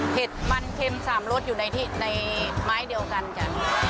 เผ็ดมันเข็มสามรสอยู่ในที่ในไม้เดียวกันจ้ะ